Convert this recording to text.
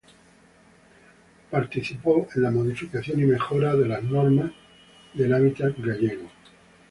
Participó en la modificación y mejora de las Normas del Hábitat Gallego.